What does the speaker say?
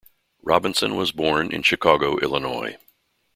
Robinson was born in Chicago, Illinois.